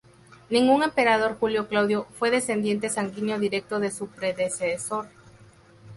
Ningún emperador Julio-Claudio fue descendiente sanguíneo directo de su predecesor.